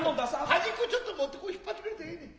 端っこちょっと持って是引っぱってくれたらええねん。